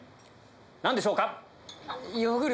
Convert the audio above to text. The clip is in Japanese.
何でしょうか？